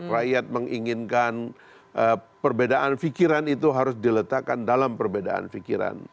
rakyat menginginkan perbedaan fikiran itu harus diletakkan dalam perbedaan fikiran